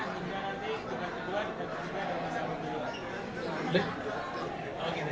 hingga nanti kedua dua di tahun ke tiga dan masa berikutnya